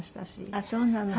あっそうなの。